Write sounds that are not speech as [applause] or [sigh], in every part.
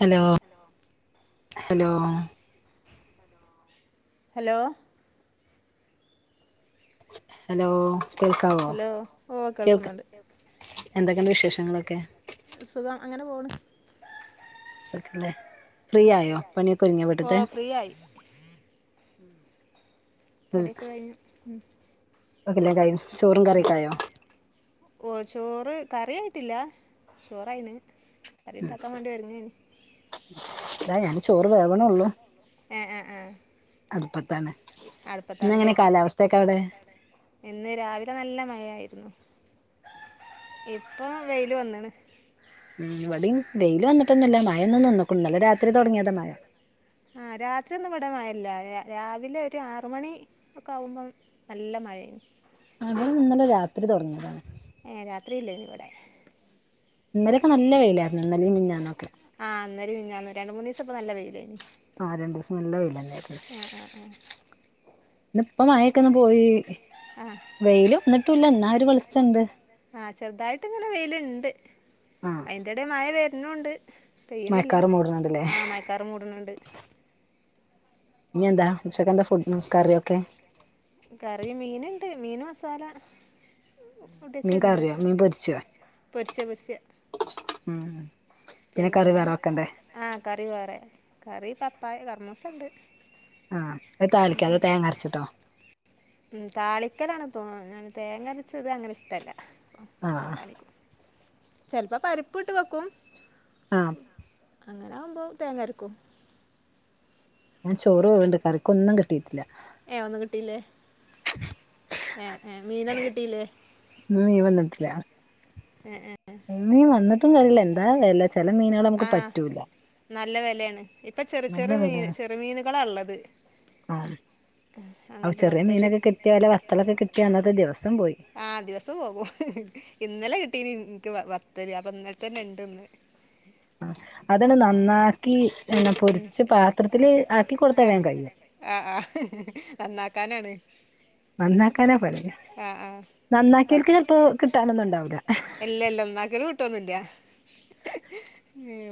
Hello hello hello hello കേൾക്കാവോ hello ഓ കേൾക്കുന്നുണ്ട് എന്തൊക്കെണ്ട് വിശേഷങ്ങളൊക്കെ സുഖം അങ്ങനെ പോണ് ഓക്കെല്ലേ ഫ്രീ ആയോ പണിയൊക്കെ ഒതുങ്ങിയ ഓ വീട്ട്ത്തെ ഫ്രീ ആയി പണിയൊക്കെ കയ്ഞ്ഞു ക്കല്ലേ കൈ ചോറും കറിക്കായോ ഓ ചോറ് കറായിട്ടില്ല ചോറായിന് കറിണ്ടാക്കാൻ വേണ്ടി ഒരുങ്ങേന് ഇതാ ഞാൻ ചോറ് വേവണെള്ളൂ ഏഹ് ഏഹ് ആഹ് ആഹ് അട്പ്പത്താണ് അടുപ്പത്താണിതേ ഇന്ന് രാവിലെ നല്ല മഴായിരുന്നു ഇപ്പൊ വെയില് വന്നണ് ഉം ഇവിടെം വെയില് വന്നിട്ടൊന്നുല്ല മഴൊന്നു നിന്നക്കൂണു ഇന്നലെ രാത്രി തുടങ്ങിയതാ മഴ ആഹ് രാത്രി ഒന്നും വിടമഴയില്ല രാവിലെ ഒരു ആറ് മണി ഒക്കെ ആകുമ്പം നല്ല മ മഴേണ് അത് ഇന്നലെ രാത്രി തുടങ്ങിയതാണ് ഏഹ് രാത്രിയില്ലേന്നിവിടെ ഇന്നലൊക്കെ നല്ല വെയിലാരുന്നു ഇന്നലേം മിനിഞാന്നൊക്കെ ആഹ് ഇന്നലെയും മിനിഞ്ഞാന്ന് രണ്ട് മൂന്ന് ദിവസം പ്പൊ നല്ല വയിലായിന് ആഹ് രണ്ടു ദിവസം നല്ല വെയിലല്ലാരൂന്ന് ആ ഇന്ന്പ്പ മയയൊക്കൊ ഒന്ന് പോയി ആ ആ വെയില് വന്നിട്ടുംല്ല എന്നര് വെളിച്ചണ്ട് ആഹ് ചെറുതായിട്ട്ങ്ങനെ വെയ്ല്ണ്ട് ആ അയിന്റെടേ മയ വെര്നൂണ്ട്. പെയ്യ്ണില്ല മഴക്കാറ് മൂടുന്നുണ്ട്ല്ലേ ആഹ് മയക്കാർ മൂട്ണൂണ്ട്. ഞ്ഞിന്താ ഉച്ചക്കെന്താ ഫുഡ് കറിയൊക്കെ കറി ഒക്കെ കറി മീന്ണ്ട് മീന് മസാല മീൻ കൂട്ടിവെച്ചിട്ടുണ്ട് കറിയോ മീൻ പൊര്ച്ചേ പൊരിച്ച പൊരിച്ച മ് പിന്നെ ആഹ് കറി വേറെ. കറി പപ്പായ കർമൂസണ്ട്. ആഹ് അത് താളിക്കേ അതോ തേങ്ങര്ച്ച്ട്ടോ മ് താളിക്കലാണ്. തോ തേങ്ങര്ച്ചതങ്ങനെ ഇഷ്ട്ടല്ല. ആഹ് ചെൽപ്പ പരിപ്പ്ട്ട് വെക്കും. ആഹ് അങ്ങനാവ്മ്പോ തേങ്ങര്ക്കും. ഞാൻ ചോറ് പോവ്ണ്ട്. കറിക്കൊന്നും ക്ക്ട്ടീട്ടില്ല. ഏ ഒന്നും കിട്ടിലെ? ഏ ഏ മീനൊന്നും കിട്ടിലെ? ഇന്ന് എ ഏ മീനു വന്ന്ട്ടും കാര്യല്ല എന്താ വെല ചെല മീനാളമ്മക്ക് പറ്റൂല. ലേണ് ഇപ്പ ചെറ് നല്ല ചെറ് വെലാണ് ചെറ്മീന്കളാള്ളത്. അപ ചെര്യേ മീനക്കെ ക്ട്ട്യാ വല്ലെ വത്തളൊക്കെ ക്ട്ട്യാ അന്നത്തെ ദിവസം പോയി. ആഹ് ദിവസം പോകും ഇന്നലെ കിട്ടീന് ഇൻക്ക് വത്തല് അപ്പ ഇന്നൽത്തന്നെണ്ട്ന്ന്. ആഹ് അതണ് നന്നാക്കി ഉം പൊരിച്ച് പാത്രത്തില് ആക്കി കൊട്ത്ത ഏഹ് വേം കയ്യും. ആഹ് ആഹ് നന്നാക്കാനാണ് നന്നാക്കാനാ പണി ആഹ് ആഹ് നന്നാക്കിയോൽക്ക് ചെലപ്പോ കിട്ടാനൊന്നും ഉണ്ടാവൂല ഇല്ല ഇല്ല നന്നാക്കല് കിടൊന്നുല്ല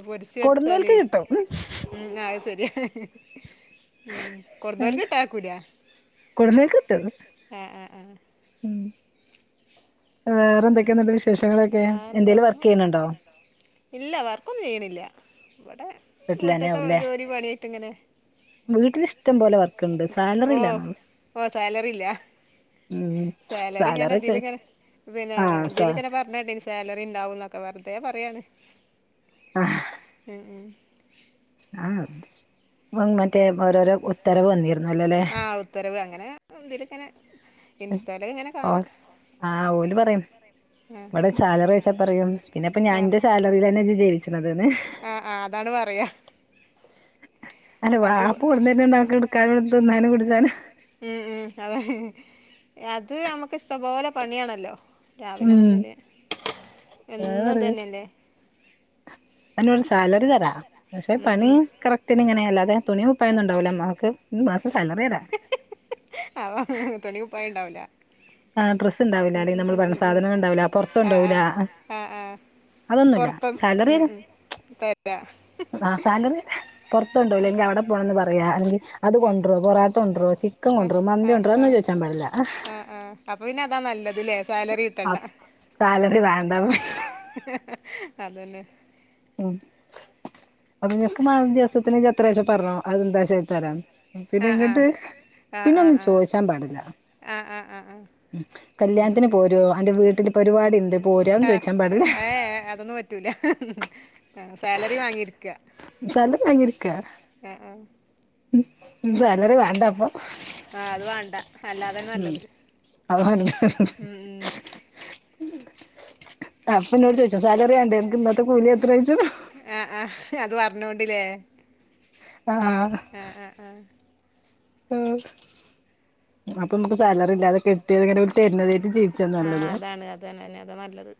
പൊരിച്ച് വെച്ചാല് കൊടുന്നോൽക്ക് കിട്ടും മ് അത് ശെരിയാ മ് കൊർതോൽക്ക് ട്ടാ കൊട്ന്നൊൽക്ക്ട്ടൊ ആഹ് ആഹ് ആഹ് മ് വേറെന്തൊക്കെന്ന്ട്ട് വിശ് വേറെന്താ ഇല്ല വർക്കൊന്നും ചെയ്യ്ണില്ല. ഇവടെ വീട്ടിൽ തന്നെ വീട്ട്ത്തെ ആവുംല്ലേ ജോലി പണ്യയ്ട്ട് ങ്ങനെ വീട്ടിൽ ഇഷ്ടം പോലെ വർക്കുണ്ട് സാലറി ഓ ഇല്ലാന്നൊള്ളു ഓ സാലറില്ല. ഉം സാലറി ഇങ്ങനെ ചോ ഇതിലങ്ങനെ പിന്നെ ആഹ് സാ തിലിങ്ങനെ പർഞ്ഞണ്ടീന്നു. സാലറി ണ്ടാവുന്നൊക്കെ വെർതേ പറയാണ് ആഹ് മ് മ് ആഹ് ങ്ങൻത്തെ ഓരോരോ ഉത്തരവ് വന്നീര്ന്നു. ആഹ് ഉത്തരവ് അങ്ങനെ തില്ങ്ങനെ ഓല് ആഹ് ഓല് പറയാണ് ആ ഇവടെ സാലറി ചോയ്ച്ചാ പറയും പിന്നെപ്പ ഞാൻ ആ ന്റെ സാലറീലാജ് ജീവിച്ച്ണത് ന് ണ് പറയാ അന്റെ അത് വാപ്പ കൊട്ന്നര്ണ് ണ്ടോ അനക്ക് ഇട്ക്കാനും ത്ന്നാനും കുട് മ് മ് അത അത് ഞമ്മക്കിഇഷ്ട്ടമ്പോലെ പണ്യാണല്ലോ രാവിലെ ഉം മുതല് അത് എന്നും ഇതന്നല്ലേ ഞാൻ നെൽ സാലറി തരാം പക്ഷെ ഉം പണി ഉം കറക്റ്റന് അല്ലാതെ തുണി കുപ്പായൊന്നു ണ്ടാവൂല മ്മാക്ക് [unintelligible] പഷേ സാലറി രാ അവ തുണിപ്പായണ്ടാവൂല ഡ്രസ്സ് ണ്ടാവൂല അല്ലേ നമ്മള് പറേണ ഉം സാധനങ്ങള്ണ്ടാവൂല ആ പൊർത്തോണ്ടോവൂല. ആ ആ ആ അതൊന്നുല്ല പൊറത്തും സാലറി ഉം തരാ ഉം തരാ ആ സാലറി തെരാ പെർത്ത്കൊണ്ടോവൂല അവടെ പോണന്ന് പറയേ അല്ലെങ്കി അത് ആ കൊണ്ട്രോ പൊറോട്ട കൊണ്ട്രോ ആ ചിക്കകൊണ്ട്രോ മന്തി കൊൺരോ ത്ന്നും ചോദിച്ചാൻ പാടില്ല അപ്പ പിന്നെ അതാ നല്ലത് ലേ സാലറി കിട്ടണ്ട സാലറി വേണ്ട അതന്നെ ഉം അപ്പൊ നിനക്ക് മാ ദിവസത്തിന് എത്രയാച്ച പറഞ്ഞോ അതെന്താച്ച തരാം പിന്നെ ആ ആ ഇങ്ങട്ട് ആ ആ പിന്നെ ആ ഒന്നും ചോദിച്ചാൻ പാടില്ല. ആ ആ ആ ആ. ഉം കല്ല്യാണത്തിന് പോരോ അന്റെ വീട്ടില് പരിപാടിണ്ട് പോരാ അ ഒന്നും ആ ചോയിച്ചാ പാടില്ല ഏ അതൊന്നും പറ്റൂല സാലറി വാങ്ങി സ്ഥലം വങ്ങിട്ക്കാ സാലറി വേണ്ടപ്പോ ആ അത് വേണ്ട അല്ലാതന്നെ നല്ലത്. അതാ ഉം ഉം [unintelligible] അപ്പ ഇന്നോട് ചോയിച്ചും സാലറി വേണ്ടേ ന്ക്ക് ഇന്നത്തെ കൂലി എത്ര ചോയിച്ചു ആ ആ. ഞ്ഞ് അത് പറഞ്ഞോണ്ടില്ലേ ആ ആ ആ. ഉം [unintelligible] ഇപ്പ മ്മക്ക് സാലറി ഇല്ലാതെ കെട്ടിയോന്ങ്ങനെ ഓല് തര്ന്നേതേ ട്ട് ജീവിച്ചാ ആഹ് നല്ലത്. അതാണ് അതന്നെ അതാ നല്ലത്.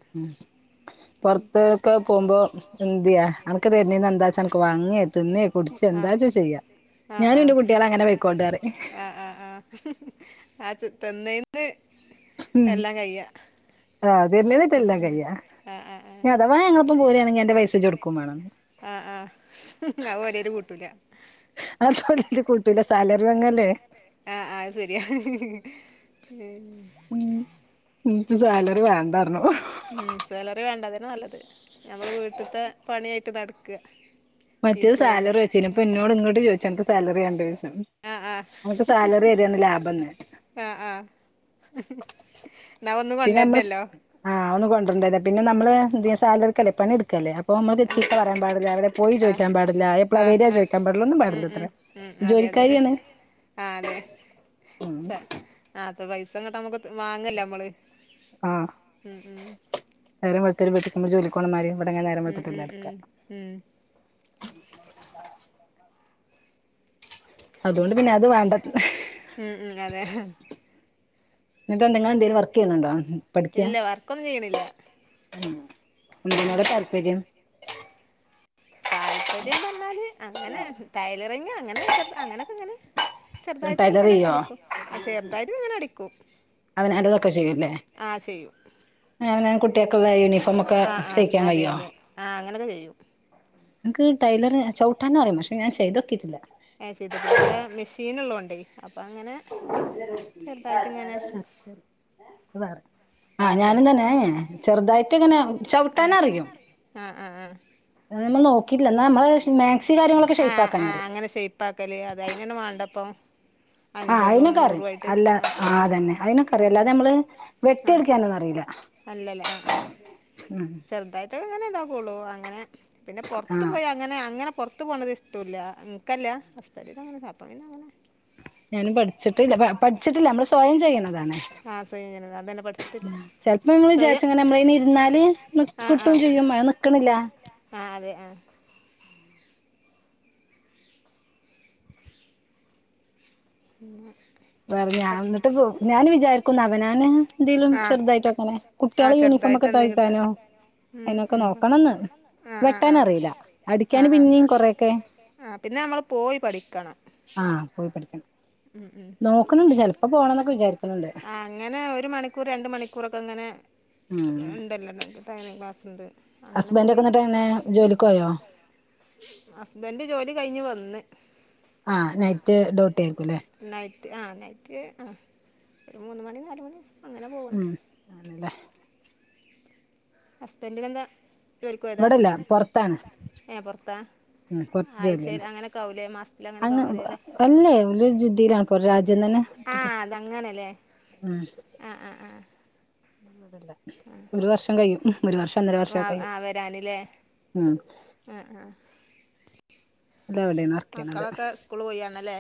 പുറത്തക്കെ പോകുമ്പോ എന്ത്യാ അനക്ക് തരന്നെന്ന് എന്താച്ചാഅനക്ക് വാങേ തിന്നേ കുടിച്ചേ ആഹ് എന്താച്ചാ ചെയ്യാ ഞാനുംന്റെ കുട്ട്യാളെ അങ്ങനെ ഇങ്ങനെ പോയിക്കോട്ടെ പറയും പോയ്കോട്ടെ റിംആ ആ ആ ആച് തന്നെന് ഉം ആ അതന്നെ ണ് ചെല്ലാൻ കയ്യ ആഹ് ആഹ് ആഹ് ഇനി അഥവാ ഞങ്ങളൊപ്പം പോരാ ണങ്കി അന്റെ പൈസ ഇജ് ട്ക്കും മാണം. ആ ആ അഹ് ഒരെല് കൂട്ടൂല. അതോല് കൂട്ടൂല സാലറി വാങ്ങല്ലേ ആ അഹ് ശരിയ. ഏ ഉം ഇൻക്ക് സാലറി വേ ഉം സലറി വേണ്ട അതന്നെ നല്ലത് ഞമ്മള് വീട്ട്ത്തെ പണി ആയിട്ട് നടക്ക. മറ്റേ ജീവിച്ചു പോക സാലറി യിച്ചീനു ഇപ്പൊ ഇന്നോട് ഇങ്ങട്ട് ചോയിച്ചുംഅനക്ക് സാലറി വേണ്ടേയ്ച്ചും ആഹ് ആഹ് അൻക്ക് സാലറി തരാണ് ലാഭംന്ന്. ആ ആ ന്നാ ഒന്നും കൊണ്ടര്റ്റല്ലോ. ആ ഒന്നും കൊണ്ടരണ്ടല്ലോ പിന്നെ നമ്മള് ന്തേ സാലറിക്കല്ലേ പണി ട്ക്കല്ലേ അപ്പോ ഇമ്മൾക്ക് ചീത്ത പറയാൻ പാടില്ല അവടെ പോയി ചോ ആഹ് ചോയിചാൻ പാടില്ല എപ്ലളാ ആഹ് വരാ ആഹ് ചോയിക്കാൻ പാടില്ല ഒന്നും പാടില്ലത്രെ ജോലിക്കാരിയാണ്. ആ അതെ സ ആ. പൈസ ഇങ്ങട്ട് നമക്ക് ത് വാങ്ങല്ലേ നമ്മള് ഉം ഉം ഒത്തിരി വെട്ടിക്കുമോ ജോലിക്കോണമാതിരി ഇവിടെങ്ങനെ നേരം ഉം വെളുത്തിട്ടില്ല ഉം ഇടുക്ക ഉം ഉം [inaudible] അതോണ്ട് പിന്നെ അത് ഇല്ല അതു വേണ്ട ഉം ഉ അതെ. എന്നിട്ട് എന്തെങ്കി ങ്ങള് എന്തേലും വർക്ക് ചെയ്യുന്നുണ്ടോ പഠിക്ക ഇല്ല വർക്കൊന്നും ചെയ്യണില്ല [inaudible] ങ്ങളെ താല്പര്യം. താല്പര്യം പറഞ്ഞാല് അങ്ങനെ ടൈലറിങ് അങ്ങനെ ചെറുത അങ്ങനൊക്കെ ഇങ്ങനെ. ടൈലർ ചെറുതായിട്ടൊക്കെങ്ങനെ ചെയ്യോ അടിക്കും ആ ചെറുതായിട്ട്ങ്ങനെ അടിക്കും. അവന് അല്ലതൊക്കെ [unintelligible] ചെയ്യൂല്ലേ [inaudible] അവനവൻ കുട്ടികൾക്കുള്ള യൂണിഫോം ഒക്കെ [unintelligible] ആ ആ തയ്ക്കാൻ അതെ കഴിയോ അതെ ആ അങ്ങനെക്കെ ചെയ്യും. എനിക്ക് ടൈലർ ചവിട്ടാന്ന് അറിയാം പക്ഷെ ഞാൻ ചെയ്തോക്കിട്ടില്ല. അത് ഹ ചെയ്തോക്കില്ല ഇവിടെ മെഷീൻ ഉള്ളൊണ്ടേ അപ്പ അങ്ങനെ ചെറുതായിട്ട്ങ്ങനെ. ആ ഞാനും തന്നെ ചെറുതായിട്ട്ങ്ങനെ ചവിട്ടാന് അറിയും. ആഹ് ആഹ് ആഹ് നമ്മൾ നോക്കിട്ടില്ലന്ന നമ്മളെ മാക്സി കാര്യങ്ങളൊക്കെ ആഹ് ആഹ് ഷെയ്പക്കാനറിയും. അങ്ങനെ ഷെയ്പ്പാക്കല് അത് അയിനെന്നെ വാണ്ടപ്പം അൻപതും ആഅയിനൊക്കെ അറിയും നൂറുവായിട്ട് അല്ലാ ആഹ് അയിനൊക്കെ ആഹ് അറിയആ തന്നെ ഉം ഉം അല്ലാതെആനമ്മള് വെട്ടി ആഹ് അടിക്കാനൊന്നും അറിയില്ല. [unintelligible] അല്ലല്ലേ ആ ആ. ചെറുതായിട്ട്ങ്ങനെ ഇതാക്കള്ളു അങ്ങനെ പിന്നെ പുറത്ത് ആഹ് പോയി അങ്ങനെ അങ്ങനെ പുറത്തു പോണത് ഇഷ്ടോല്ല ഇനിക്കല്ല ഹസ്ബന്റിന് അങ്ങനെ താല്പര്യല്ല അപ്പൊ പിന്നെ അങ്ങനെ ഞാനും പഠിച്ചിട്ടില്ല പഠിച്ചിട്ടില്ല നമ്മള് സ്വയം ചെയ്യുന്നതാണ് ആഹ് സ്വയം ചെയ്യണത് അതന്നെ [inaudible] പഠിച്ചിട്ടില്ല [unintelligible] ചെല [unintelligible] സ്വയം വിചാരിച്ച് ങ്ങനെ നമ്മള് ഇരുന്നാല് ആഹ് കിട്ടും ആഹ് ചെയ്യുംമഴ നിക്കണില്ല. ഉ. പിന്നെ.. വേറെ ഞ എന്നിട്ട് ഞാൻ വിചാരിക്കുന്നു അവനാന് എന്തെങ്കലും ആഹ് ചെറുതായിട്ട് അങ്ങനെ ആ കുട്ടികളെ [unintelligible] ചെറുതായിട്ട് ഫൊമ്മക്ക്. എന്തേ കിട്ടാ തയ്ക്കനോ ഉം എന്നൊക്കെ ഉം നോക്കണംന്ന് ആ ആ ആ വെട്ടാനറിയില. ആ അടിക്കാന് ആ പിന്നേും കൊറെൊക്കെ ആ, പിന്നെ അമ്മള് പോയി. പഠിക്കണം ആഹ് പോയി പഠിക്കണം നോക്കണണ്ട് ചെലപ്പോ പോണംന്നൊക്കെ വിചാരിക്കണണ്ട് ആ. ങ്ങനെ ഒരു മണിക്കൂർ. രണ്ട് മണികൂറോക്കെങ്ങനെ ഉം എന്തല്ലക്ക് തന ക്ലാസ്ണ്ട് [unintelligible] അങ്ങനെ. ഹസ്ബൻഡ് ഒക്കെ പോയി എന്നിട്ട് എങ്ങനെ ജോലിക്ക് പോയോ ഹസ്ബന്ഡ് ജോലി കഴിഞ്ഞ്. വന്ന് ആ, നൈറ്റ് ടുട്ടി എര്കുലേ നൈറ്റ് ആ, നൈറ്റ്. അ. മൂന്ന്. മണിം. നാല്. മണിം ഉം ആണല്ലേ- ഹസ്ബന്റിനെന്താ ഇവടെല്ല. പ പൊറത്താണ് ഏ, പൊറത്താ ഉം, കൊറച്ച്. ജോലിയാണ്. അങ്ങനെയൊക്കെ അങ്ങ്. വരല്ലേ അല്ലേ ലി. ജിദ്ധിലാണ്. കൊർ രാജ്യം തന്നെ ആഹ്, അതങ്ങനെലേ ഉം ഒരു വർഷം കഴിയും. ഹ്. ഒരു വർഷം അന്നര വർഷം. വാ കഴിയും ആഹ് വരാനില്ലേ ഉം ആഹ് ആഹ് ല്ല [unintelligible] വിടെണ്ക്കണത് മക്കളൊക്കെ സ്കൂള് പോയാണല്ലേ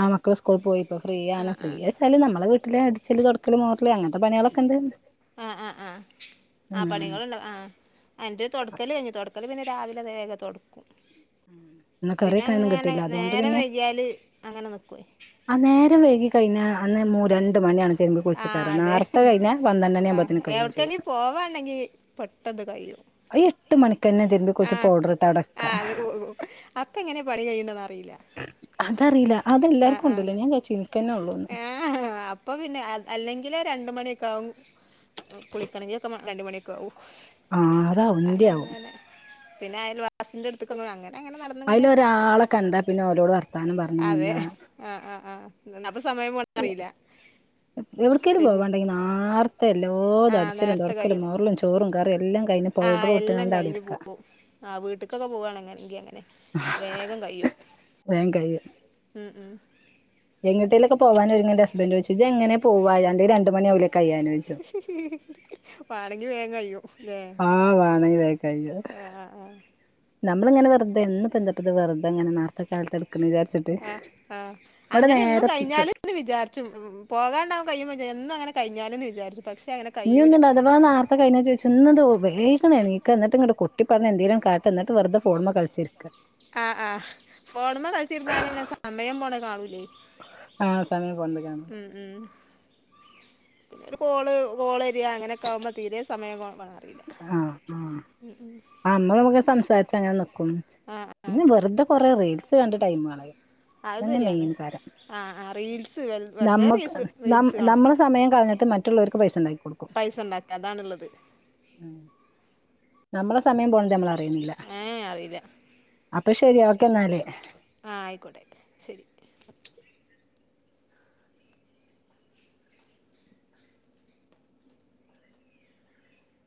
ആ, മക്കൾ സ്കൂൾ. പോയിപ്പോ. ഫ്രീയണ് ആഹ് ആഹ് ഫ്രീച്ചാൽ. നമ്മളെവീ ലേ. അടിച്ചല് തൊടക്കല് മോർൽ. അങ്ങൻത്തെ പണിളൊക്കെണ്ടാര്ന്ന് ആ ആ ആഹ് ആ പണികളുണ്ടാ. ആ. എന്റെഹ്. തൊടക്കല് യ്ഞ്ഞ്. തൊട ൽ. പിന്നെ രാവിലെ നേഗ തൊട കും.. ഇന്ന് പിന്നെ കറിവെക്കാനൊന്നും അങ്ങനെ കിട്ടിയില്ല അതുകൊണ്ട് നേര പിന്നെ വൈകിയാല് അങ്ങനെ നി കയിഞ്ഞ അന്ന് മൂ രണ്ട് മണിയാണ് തിര്ബി കുളിച്ചു കേറ ആഹ് അതെ നാർത്തെ കഴിഞ്ഞ പന്ത്രണ്ടണി ആഹ് ആവുമ്പോത്തിന് കഴിയും ചെയ്യും എവിടക്കെങ്കി പോവാണ്ടെങ്കി പെട്ടെന്ന് കഴിയും അയ്യോ ന്നെ തിരുമ്പി കുള്ച്ച് ആഹ് പൗഡർ ഇട്ടവടക്ക ആഹ് അത് പോകും അപ്പ എങ്ങനെ പണി കഴിയണന്ന് അറിയില്ല അതറീല ആഹ്. എ. ആഹ്. അപ്പൊ പിന്നെ അ അല്ലെങ്കിൽ ലേ. രണ്ട് മണിയൊക്ക ആവു കുളിക്കണങ്കിൽ ഒക്കെ രണ്ട് മണിയൊക്കെ ആവു ആ അതാവും ഇന്റെയാവും പിന്നെ അയൽവാസിന്റെടുത്ത്ക് ഒന്ന് അങ്ങനെ അങ്ങനെ നടന്നിങ്ങനെ അയിലൊ ഓയാളെ കണ്ട പിന്നെ ഓരോട് വർത്താനം പറഞ്ഞു നിന്ന ആ ആ ആ [unintelligible] അ എവ്ട്കേല് പിന്നെ പോവാണ്ടെങ്കി നാർ ത്ത എല്ലാതു. ആഹ് അടിച്ചലും. തൊടക്കലും മോറലും ചോറും കറിയും എല്ലാം കഴിഞ്ഞ് ആന്, പൗഡറും എല്ലോം ഇട്ട്ങ്ങാണ്ട് അവിടെ കഴിഞ്ഞ് ഇരിക്കാ പോവും ആഹ് വീട്ടികൊക്കെ. പോവാണങ്ങെ എൻകെ നെ വേഗം കയ്യും. ഉം എങ്ങട്ടേലക്കെ പോവാനൊരുങ്ങന്റെ. ഹസ്ബൻറ്. പോയിച്ചു എങ്ങനെ പോവാ അന്റെ രണ്ട്.. മണിവുലെ വാണങ്കി വേകൈയു ആഹ് വാണങ്കി. വേക്കയ്യും ആഹ് ആഹ് ആഹ് നമ്മളിങ്ങനെ വെറുതെ. എന്ന് പ്പത് [unintelligible] എപ്പോത്തെ വെറുതെങ്ങനെ. നാർത്തെ കാലത്തെ ആ ആഹ് അങ്ങനെഎന്നും നേരെ കഴിഞ്ഞാലുന്ന്. വിചാരിച്ചു പോകാണ്ടാവാ. കഴയുമ്പോ. എന്നുംഅങ്ങനെ കയിഞ്ഞാലെന്ന്. വിചാരി ഞ്ഞോന്ന്‌. അഥവാ നാർത്തെ കയിഞ്ഞ ചോയിച്ചു ഇന്നെന്താ ഒ വേഗന്നണെക. ന്നട്ട്ങ്ങണ്ട് പൊ തട്ടിപ്പെടഞ്ഞ് എന്തേലും കാട്ട എന്നട്ട് വെറ്തെ ഫോൺമേ കൾച്ചി ആഹ്, ആ. ഹ്. ഫോൺമെകൾച്ചിരിന്നാലെന്നെ. സമയം പോണത് കാണുല്ല്യ യെ ആഹ് സമയം പോണത്. കാണു ഉം പിന്നെ ഒരു കോള് കോള എരിയ അങ്ങനെയൊക്കെകുമ്പോ തീരെ സമയം അറിയില്ല ആഹ് ആഹ് നമ്മളൊക്കെ സംസാരിച്ച് അങ്ങനെ നിക്കും ആഹ് ആഹ് പിന്നെ വെറുതെ കൊറെ അറിയില്ല കണ്ട് ടൈമ്കളയും അത് അതെന്നെ ശരിയാണ് മെയ്ൻ ആഹ് ആഹ് റീൽസ് വെർ വെറുതെ നമ്മക്ക് റീൽസ് ന റീൽസ് കാണും നമ്മളെ സമയം കളഞ്ഞിട്ട് മറ്റുള്ളവർക്ക് പൈസ ഉണ്ടാക്കി കൊടുക്കും പൈസ ഉണ്ടാക്ക അതാണ് ഉുള്ളത് ഉം നമ്മളെ സമയം പോണ നമ്മള് അറിയുന്നില്ല അപ്പൊ ശരി ഓക്കേ എന്നാല് ആഹ് ആയിക്കോട്ടെ ശരി